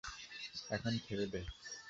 এখন ছেড়ে দে।